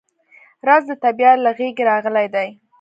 رس د طبیعت له غېږې راغلی دی